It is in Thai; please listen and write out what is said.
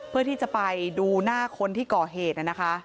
เพื่อที่จะไปดูหน้าคนที่ก่อเหตุนะคะ